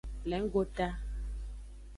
Plengota.